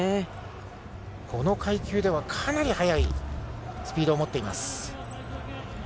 この階級ではかなり速いスピードを持っています。